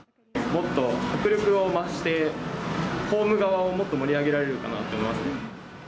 もっと迫力を増して、ホーム側をもっと盛り上げられるかなって思いますね。